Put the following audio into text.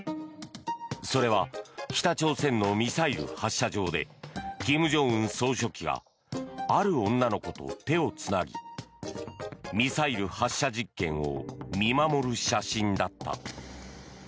それは北朝鮮のミサイル発射場で金正恩総書記がある女の子と手をつなぎミサイル発射実験を見守る写真だった。